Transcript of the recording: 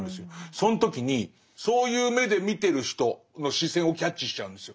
その時にそういう目で見てる人の視線をキャッチしちゃうんですよ。